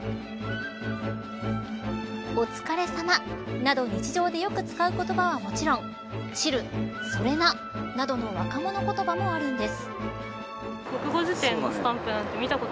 おつかれさま、など日常でよく使う言葉はもちろんチル、それな、などの若者言葉もあるんです。